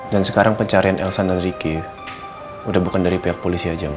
dan sekarang pencarian elsa dan ricky udah bukan dari pihak polisi aja ma